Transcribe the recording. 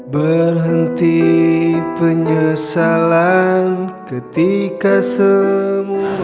berhenti penyesalan ketika semua